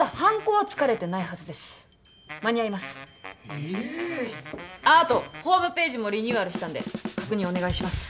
あっ後ホームページもリニューアルしたんで確認お願いします。